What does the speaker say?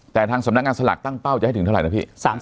แต่ทางสำนักงานสลากตั้งเป้าจะให้ถึงเท่าไหร่นะพี่